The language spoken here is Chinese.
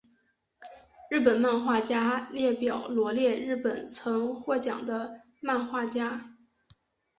日本漫画家列表罗列日本曾获奖的漫画家。